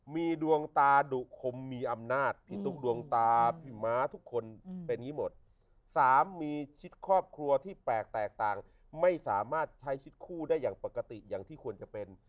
๒มีดวงตาดุคมมีอำนาจกลุงตามามีหมดสามชิ้นครอบครัวที่แปลกแตกต่างไม่สามารถใช้ชิ้นคู่ได้อย่างปกติอย่างที่ควรจะเป็น